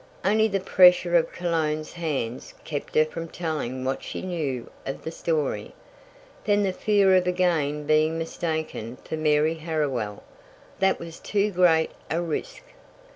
Only the pressure of Cologne's hands kept her from telling what she knew of the story. Then the fear of again being mistaken for Mary Harriwell that was too great a risk.